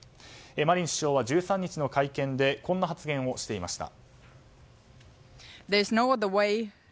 マリン首相は１３日の会見でこんな発言をしていました。